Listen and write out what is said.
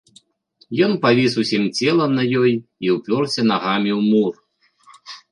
Ён павіс усім целам на ёй і ўпёрся нагамі ў мур.